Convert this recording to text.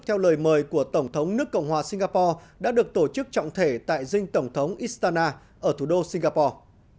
theo lời mời của tổng thống nước cộng hòa singapore đã được tổ chức trọng thể tại dinh tổng thống istana ở thủ đô singapore